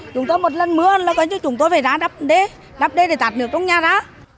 chúng ta một lần mưa là có chứ chúng tôi phải ra đắp đế đắp đế để tạt nước trong nhà ra